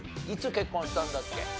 いつ結婚したんだっけ？